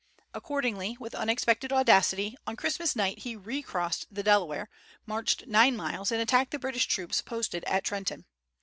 Accordingly, with unexpected audacity, on Christmas night he recrossed the Delaware, marched nine miles and attacked the British troops posted at Trenton.